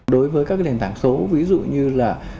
đối với các đền tảng số ví dụ như là